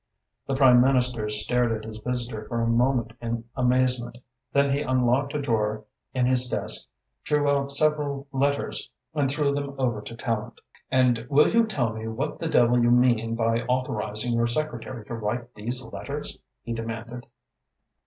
The Prime Minister stared at his visitor for a moment in amazement. Then he unlocked a drawer in his desk, drew out several letters and threw them over to Tallente. "And will you tell me what the devil you mean by authorising your secretary to write these letters?" he demanded.